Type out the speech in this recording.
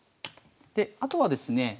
であとはですね